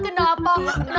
kenapa tau gak kenapa